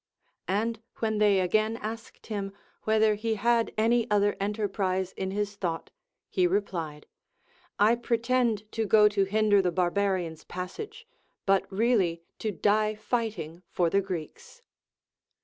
And Avhen they again asked him Avhether he had any other en terprise in his thought, he replied, I pretend to go to hinder the barbarians' passage, but really to die fighting for the Greeks.